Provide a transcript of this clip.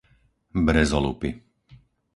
Brezolupy